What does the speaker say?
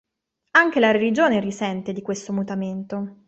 Anche la religione risente di questo mutamento.